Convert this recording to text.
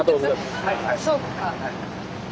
そっか。